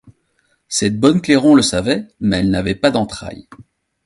Cette bonne Clairon le savait, mais elle n'avait pas d'entrailles.